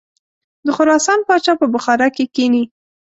د خراسان پاچا په بخارا کې کښیني.